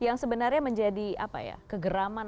yang sebenarnya menjadi kegeraman